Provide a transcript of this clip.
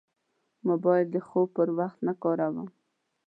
موبایل د خوب پر وخت نه کاروم.